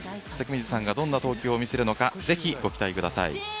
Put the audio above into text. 関水さんがどんな投球を見せるのかぜひ、ご期待ください。